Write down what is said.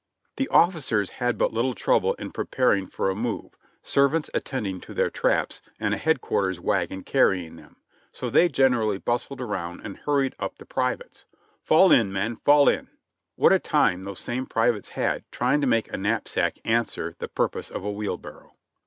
The officers had but little trouble in preparing for a move, ser vants attending to their traps and a headquarters wagon carrying them, so they generally bustled around and hurried up the pri vates. "Fall in, men! Fall in!" What a time those same privates had trying to make a knap sack answer the purpose of a wheelbarrow